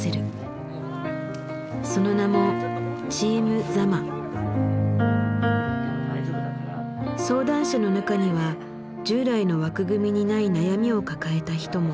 その名も相談者の中には従来の枠組みにない悩みを抱えた人も。